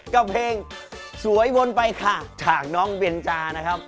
กับเพลงสวยวนไปค่ะจากน้องเบนจานะครับ